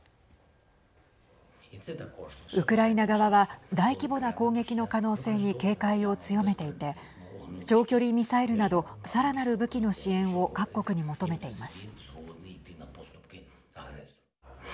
ウクライナ側は大規模な攻撃の可能性に警戒を強めていて長距離ミサイルなどさらなる武器の支援を各国に求めています。